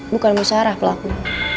bukan musyarah pelaku